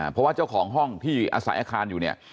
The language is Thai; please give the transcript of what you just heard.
เพราะว่าเจ้าของห้องที่อาศัยอาคารอยู่เนี่ย